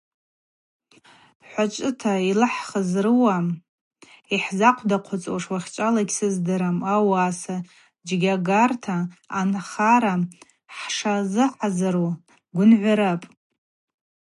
Хачӏвыта йлыхӏхыз рыуа йхӏзахъвдаквыцӏуаш уахьчӏвала йгьсыздырам, ауаса джьгарта анхара хӏшазыхӏазыру гвынгӏвырапӏ.